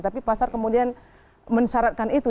tapi pasar kemudian mensyaratkan itu